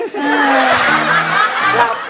ฮือครับ